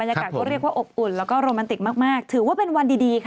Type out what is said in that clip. นี่ปั๊บแต่งเลยนะ